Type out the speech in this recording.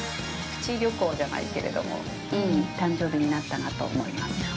プチ旅行じゃないけれども、いい誕生日になったと思います。